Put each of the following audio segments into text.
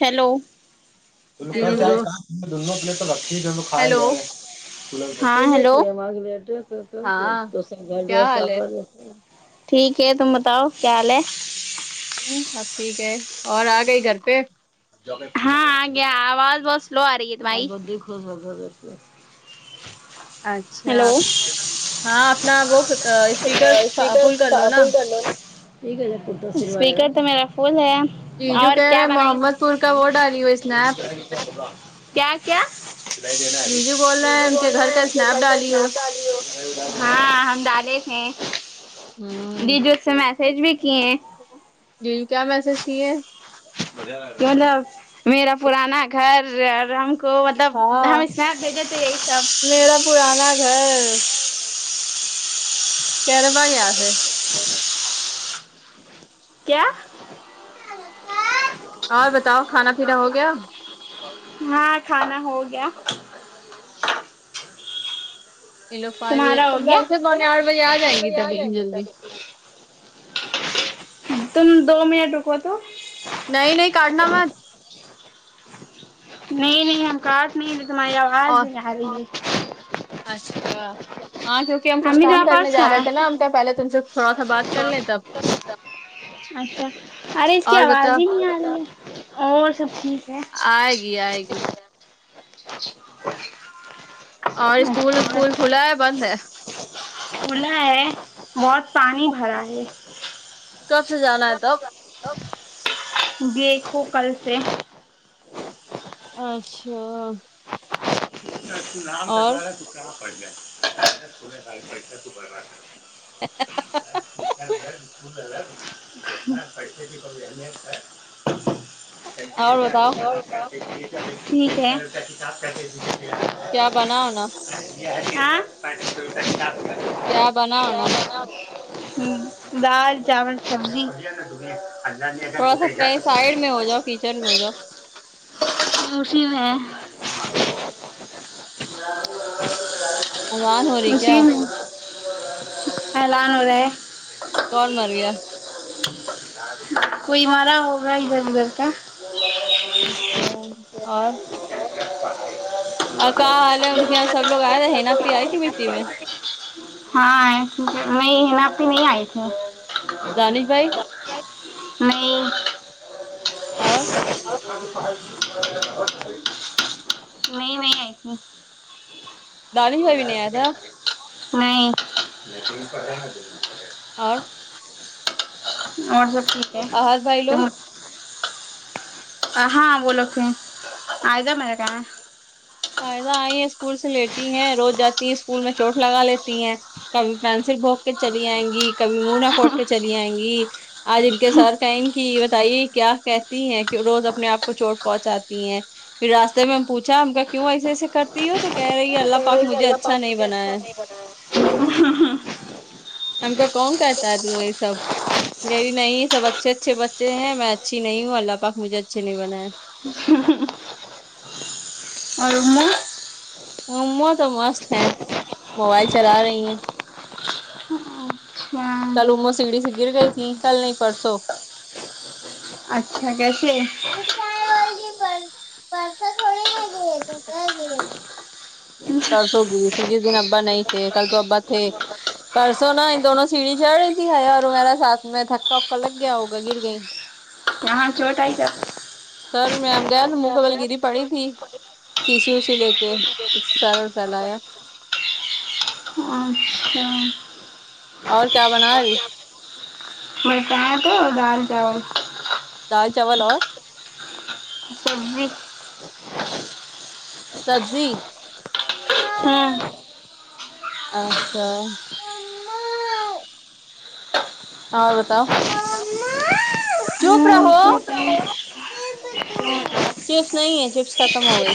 Hello hello دونوں plate تو رکھی ت کھے ہیلو جا رہا ہے ہاں ہیلو ہاں کیا حال ہے [unintelligible] ٹھیک ہے تم بتاؤ کیا حال ہے ہوں سب ٹھیک ہے اور آ گئی گھر پہ ہاں آ گیا آواز بہت سلو آ رہی ہے تمہاری اچھا ہیلو ہاں اپنا وہ اسپیکر فل کر لو نا ہلو اسپیکر تو میرا فل ہے جی جو اور کہہ رہے کیا ہیں بنائی محمد پور کا وہ ڈالی ہوئی اسنیپ کیا کیا بول رہے ہیں جیجو ان کے بول گھر رہے کا ہیں ان کے گھر کا ڈالی ہو اسنیپ ڈالی ہو ہاں ہم ڈالے تھے ججو اس سے میسج بھی کیے ججو کیا میسج کیے مطلب میرا پرانا گھر اور رم کو مطلب ہم ہاں اسنیپ بھیجے تھے یہی سب میرا پرانا گھر تیرا بھا یاد ہے کیا اور بتاؤ کھانا پینا ہو گیا ہاں کھانا ہو گیا یہ لوگ پا لے تمہارا ہو گیا کل سے پونے آٹھ بجے آ چار جائیں گی بجے آ تبھی جائیں گی جلدی تب تم دو منٹ رکو تو نہیں نہیں کاٹنا مت نہیں نہیں ہم کاٹ نہیں تھے تمہاری آواز اور بھی نہیں آ ہے اچھا ہاں جو کہ ہم کچھ امی کام تمہارے کرنے پاس جا رہے کہاں ہے تھے نا ہم کیا پہلے تم سے تھوڑا سا بات کر لیں تب اچھا ارے اس کی اور بتا آواز ہی نہیں آ رہی ہے اور سب ٹھیک ہے آئے گی آئے گی اور اسکول اچھا پول کھلا ہے بند ہے کھلا ہے بہت پانی بھرا ہے کب سے جانا ہے تو دیکھو کل سے اچھا [inaudible] [inaudible] [inaudible] اور اور بتاؤ ٹھیک ہے کیا بناو نا ہاں [unintelligible] ہ کیا بنا ہونا دال چاول سبزی تھوڑا سا کہیں سائڈ میں ہو جاؤ کچن میں ہو جاؤ [unintelligible] اذان ہو رہی جی کیا اعلان ہو رہا ہے کون مر گیا کوئی مارا ہو گا ادھر ادھر کا اشتہار اور اورکا حال ہے ان کے یہاں سب لوگ آئے تھے حینا آپی آئی کی مٹی میں ہاں آئے نہیں حینا آپی نہیں آئی تھی دانش بھائی نہیں [inaudible] اور نہیں نہیں آئی تھی دانش بھائی بھی نہیں آیا تھا [inaudible] نہیں اور اور سب ٹھیک ہے احد بھائی تم لوگ ہاں وہ لوگ ہیں آئزہ میرے کہاں آئزہ آئی ہے اسکول سے لیٹی ہیں روز جاتی ہے اسکول میں چوٹ لگا لیتی ہیں کبھی پنسل بھوگ کے چلی آئیں گی کبھی منا کوٹ کے چلی آئیں گی آج انکے سر کہیں کی یہ بتائیے کیا کہ تی ہیں روز اپنے آپ کو چوٹ پہنچاتی ہیں پھر راستے میں ہم پوچھا ہم کا کیوں ایسے ایسے کرتی ہے تو کہہ رہی ہے اللہ پاک کہ مجھے اللہ اچھا پاک نہیں مجھے بنایا اچھا ہے۔ نہیں بنایا ہم کو کون کرتا ہے دنیا یہ سچ نہیں نہیں سب اچھے اچھے بچے ہیں میں اچھی نہیں ہوں اللہ پاک مجھے اچھے نہیں بنائے ہاں اور اومما امواہ تو مست ہے موبائل چلا رہی ہیں اچھا کل اموا سیڑی سے گر گئی تھی کل نہیں پرسو اچھا کیسی ہے میں بولرھی ہوں کل پرسو تھوڑی گںی تھی میں تو کل گںی تھی پرسوں گںی تھی جس دن ابا نہیں تھے کل تو ابا تھے پرسوں نہ ان دونوں سیڑھی چڑھ رہی تھی حیا اور عمرہ ساتھ میں دھکا وکا لگ گیا ہوگا گر گئی یہاں چھوٹ آئی کیا سر میںم گیا تو منہ کے بل گری پڑی تھی چیشی اوسی لے کے کچھ سر سہلایا ہاں اچھا اور کیا بناںی میرے کن تو دال چاول دال چاول اور سبزی سبزی ہاں اچھا اور بتاؤ ممما چپ رہو ہاں ٹھیک ہے چپس دو چپس نہیں ہے چپس ختم ہو گئی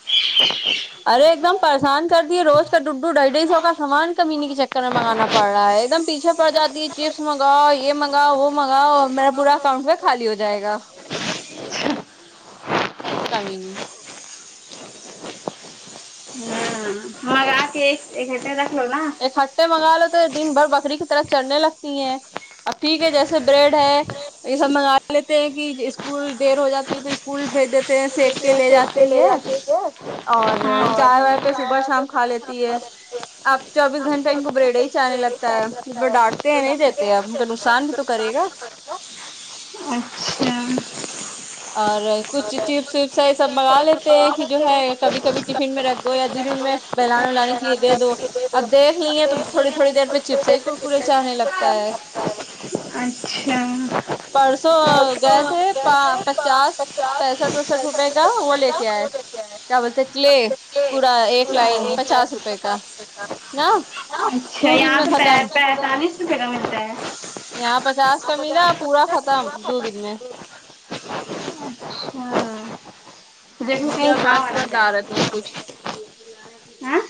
[unintelligible] ارے ایک دم پریشان کر دیے روز کا ڈڈو ڈھائی ڈھائی سو کا سامان کمینی کے چکر میں منگانا پڑ رہا ہے ایک دم پیچھے پڑ جاتی چپس منگاؤ یہ منگاؤ وہ منگاؤ اب میں پورا اکاؤنٹ میں خالی ہو جائے گا کمینی ہاں یار اوکے ایک گھنٹا رکھلو نہ اکھٹھے منگا لو تو دن بھر بکری کی طرح چرنے لگتی ہیں اب ٹھیک ہے جیسے بریڈ ہے یہ سب منگا لیتے ہیں کہ اسکول دیر ہو جاتی ہے تو اسکول بھیج دیتے ہیں سیک کے لے پھینک کے جاتے لے سے ہے جاتی ہے اور چاے واے پہ صبح شام کھا لیتی ہے اب چوبیس ہم گھنٹہ ان کو بریڈا ہیچ آنے لگتا ہے ساتھ جس رکھتا پر ڈانٹتے جو ہیں نہیں دیتے ڈالتے ہیں اب ان کا نقصان بھی تو کرے گا نا چ اچھا اور کچھ اچھا چپس وپس یہ سب منگا لیتے ہیں پچاس کہ جو ہے کبھی کبھی ٹفن میں رکھ دو یا دن ان میں بلان و لانانی کیلیے دے دو اب دیکھ لیے تو تھوڑی تھوڑی دیر پہ چپس ہی کرکرے چاہنے لگتا ہے پرسو گئے تھے پچاس پینسٹھ ستر وسٹھ روپئے کا وہ روپے لے کا کے آئے وہ دیتے ہیں کیا بولتے کلے پورا ایک لائن پچاس روپئے کا نہ اچھا یہاں تو پے پینتالیس روپے کا ملتا ہے یہاں پچاس کا ملا پورا ختم اچھا دو دن میں دیکھو ان کی کہیں آ کھا بس ب والا جائے ڈا رہت [unintelligible] اور کچھ ہاں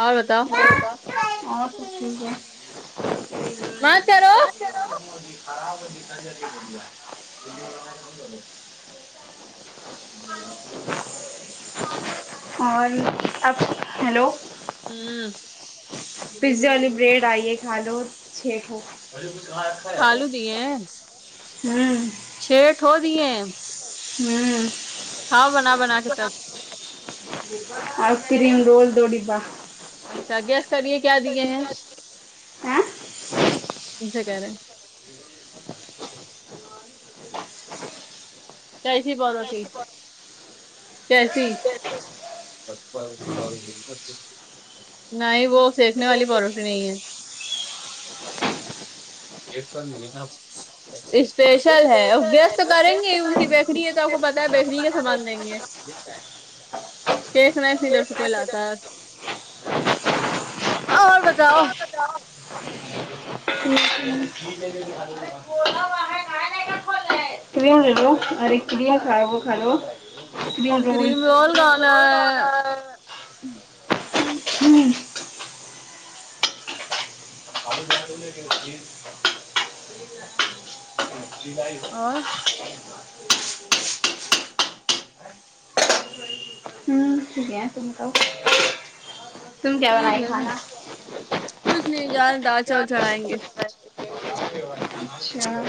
اور بتاؤ اک ہے [unintelligible] مت کرو اور اب [unintelligible] ہوں پیزا والی بریڈ آئیے کھا لو چھ آلو دیے ہیں ہوں چھ ٹھو دیے ہیں ہوں کھاؤ بنا بنا کے تب آ یسکریم رول دوڈبا اچھا گیسٹ کریے کیا دیے ہیں ہاں ان سے کہ رہے تھ ہی بن سی [unintelligible] کیسی نہیں وہ سیکنے والی پروٹھی نہیں ہے یہ فن لین [unintelligible] اسپیشل ہے اور گیسٹ تو کریں گے ہی ان کی بیکری ہے تو آپ کو پتا ہے بیکری کا سامان دیں گے کیک نہیں ندر سکئی ل ح [unintelligible] اور بتاؤ گ ن کیا ف ہے [unintelligible] للو اور ک لی خراب خاالو [unintelligible] یے رول مجھ رول کہانا ہے آب بے کہ ج بائی [unintelligible] اور ج سمتاؤ [unintelligible] تم کیا ٹھیک بنائی ہے نا کھانا کچھ نہیں جا دال چاول چڑھائیں گے اچھا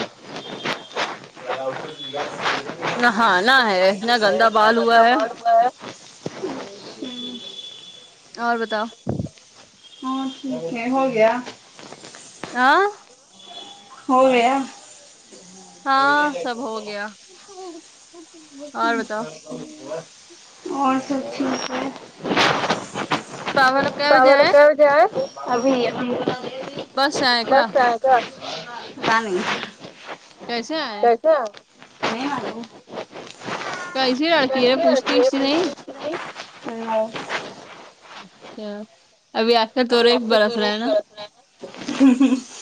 نہانا ہے اتنا گندا پند بال ہوا ندا ہے پال پ [unintelligible] ہمم اور بتاؤ ہاں ہو گیا ہاں ہوگیا ہاں سب ہو گیا اور بتاؤ اور سب ٹھیک ہے پاپا لوگ کے بجے آئے بس سے آئے کیا کیسے آئے [unintelligible] [unintelligible] کیسی لڑکی ہے پوچھتی وچھتی نہیں [unintelligible] ابھی آپ کا تور ابھی ایک آپ کو برس رہا ترنت ہے نا [inaudible]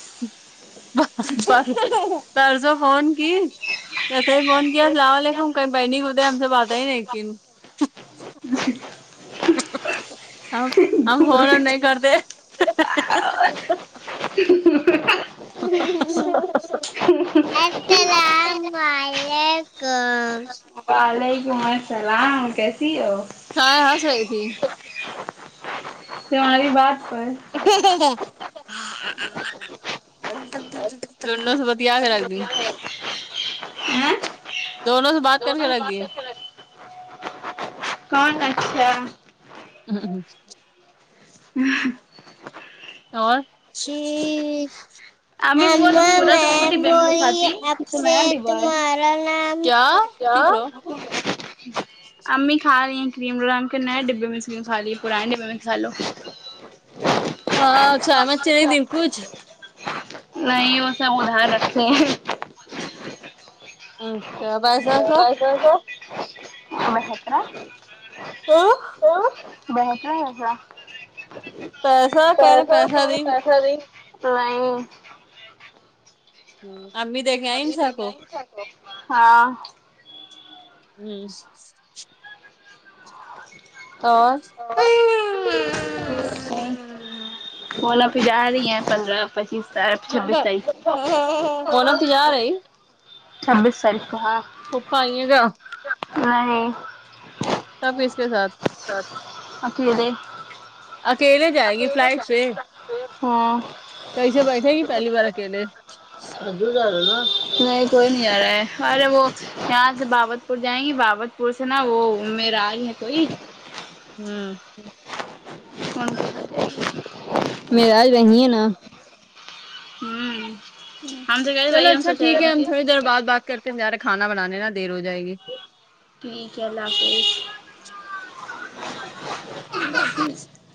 پرسو فون کی کیسے ہی فون کیا السلام علیکم کہیں بہن خدا ہم سے بات آئی نہیں کن ہم ہم فون وون گھبرو نہیں کرتے [unintelligible] [inaudible] [inaudible] السلام علیکم وعلیکم السلام کیسی ہو کاہے ہس رہی تھی تمہاری بات پر [unintelligible] دیا کے رکھ دی ہاں دونوں سے بات کر کے رکھ دی کون اچھا [unintelligible] اور شییی امی وہ اما لوگ پورا تو وہ میم ڈبے میں بولی دکھاتی اب یہ تو سے نیا ڈبا ہے تمہارا نام کیا کیا چپ رہو [unintelligible] امی کھاری آ کریم نئے ڈبے میں سے کھا رہی پرانے ڈبے میں سے کھا لو [unintelligible] نہیں وہ سب ادھر رکھتے ہیں امچا [unintelligible] آہ بہتا ایسا کہہ رہے پیسہ سہ دی پیسہ نہیں [unintelligible] امی دیکھیں ہاں امم [inaudible] اور اور آپ جا رہی ہیں پندرہ پچیس تا چھبیس تاریخ مونا پجا رہی چھبیس تاریخ کو ہاں پپا آیے گا نہیں تب اس کے ساتھ اکیلے اکیلے جائیں گی اکیلے فلائٹ جا سے ہاں کیسے بیٹھے گی پہلی بار اکیلے نہیں کوئی نہیں آ رہا ہے ارے وہ یہاں سے باگت پور جائیں گی باگت پور سے نا وہ میر را ائے ہے تو ہی ہوں [unintelligible] میرل [unintelligible] وہی ہے نا ہوں ہمم چلو اچھا ٹھیک ہے ہم تھوڑی دیر بعد بات کرتے ہم جارے کھانا بنانے نا دیر ہو جائے گی ٹھیک ہے اللہ حافظ اللہ حافظ